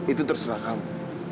itu terserah kamu